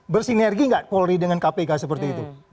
bersinergi nggak polri dengan kpk seperti itu